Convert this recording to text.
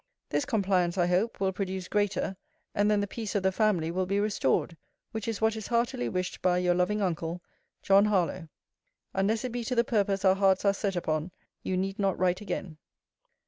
This compliance, I hope, will produce greater, and then the peace of the family will be restored: which is what is heartily wished by Your loving uncle, JOHN HARLOWE. Unless it be to the purpose our hearts are set upon, you need not write again.